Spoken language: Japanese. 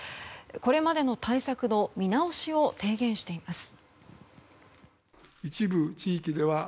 これまでの対策の見直しを提言しています。